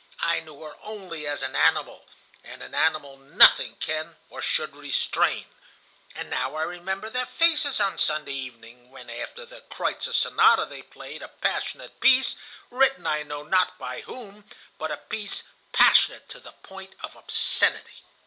I knew her only as an animal, and an animal nothing can or should restrain. And now I remember their faces on Sunday evening, when, after the 'Kreutzer Sonata,' they played a passionate piece, written I know not by whom, but a piece passionate to the point of obscenity.